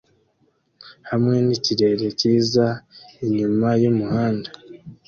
hamwe nikirere cyiza inyuma yumuhanda